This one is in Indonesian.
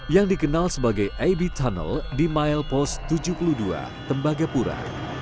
yang dikenal sebagai ab tunnel di milepost tujuh puluh dua tembagapura